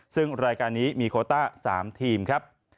ซึ่งรายการนี้มีโคต้า๓ทีมครับ